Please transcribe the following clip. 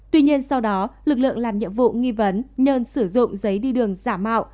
tuy nhiên sau đó lực lượng làm nhiệm vụ nghi vấn nhơn sử dụng giấy đi đường giả mạo